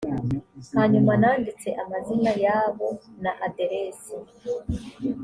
hanyuma nanditse amazina yabo na aderesi